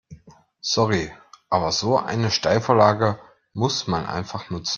Sorry, aber so eine Steilvorlage muss man einfach nutzen.